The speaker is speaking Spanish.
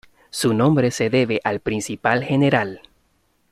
Su nombre se debe al principal general.